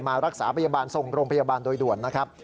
มารักษาพยาบาลทรงโรงพยาบาลโดยด่วน